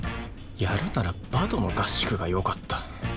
やるならバドの合宿がよかった。